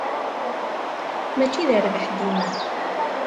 Mačči d rrbeḥ dima.